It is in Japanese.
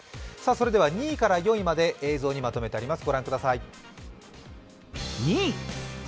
それでは２位から４位まで映像にまとめてあります。